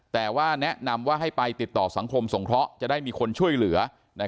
แต่ว่าแนะนำว่าให้ไปติดต่อสังคมสงเคราะห์จะได้มีคนช่วยเหลือ